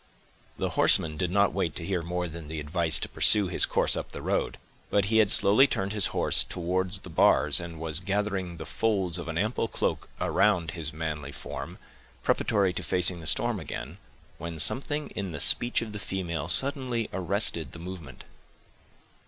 The horseman did not wait to hear more than the advice to pursue his course up the road; but he had slowly turned his horse towards the bars, and was gathering the folds of an ample cloak around his manly form, preparatory to facing the storm again, when something in the speech of the female suddenly arrested the movement.